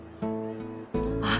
あっ！